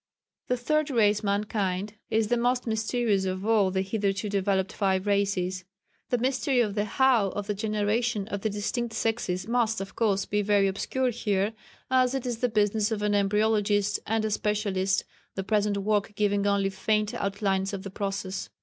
The Third Race mankind is the most mysterious of all the hitherto developed five Races. The mystery of the 'How' of the generation of the distinct sexes must, of course, be very obscure here, as it is the business of an embryologist and a specialist, the present work giving only faint outlines of the process.